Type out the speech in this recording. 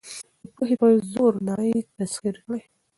د پوهې په زور نړۍ تسخیر کړئ.